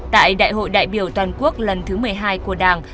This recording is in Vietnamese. tại đại hội đại biểu toàn quốc lần thứ một mươi hai của đảng